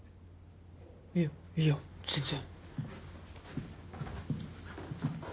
いやいや全然。